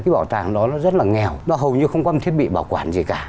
cái bảo tàng đó nó rất là nghèo nó hầu như không có một thiết bị bảo quản gì cả